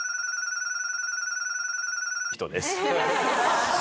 人です。